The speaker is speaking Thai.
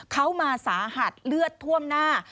เขามาสาหัสเลือดท่วมหน้า